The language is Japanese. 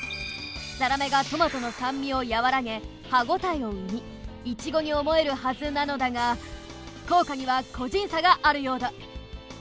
ザラメがトマトの酸味をやわらげ歯応えを生みイチゴに思えるはずなのだがこうかにはこじんさがあるようだ